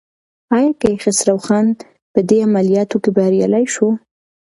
ایا کیخسرو خان په دې عملیاتو کې بریالی شو؟